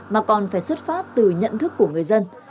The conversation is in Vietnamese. mà còn phải xuất phát từ nhận thức của người dân